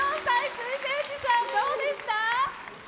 水前寺さん、どうでした？